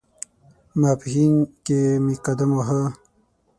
ماپښین کې مې قدم واهه.